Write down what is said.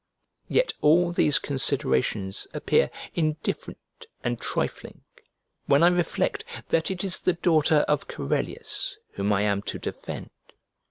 Yet all these considerations appear indifferent and trifling when I reflect that it is the daughter of Corellius whom I am to defend.